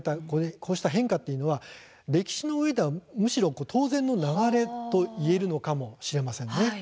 こうした変化というのは歴史のうえでは当然の流れといえるのかもしれませんね。